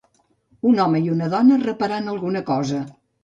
Un home i una dona reparant alguna cosa.